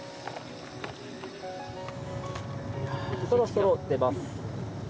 そろそろ出ます。